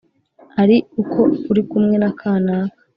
ari uko uri kumwe na kanaka,